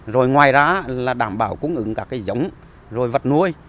rồi ngoài ra là đảm bảo cung ứng các cái giống rồi vật nuôi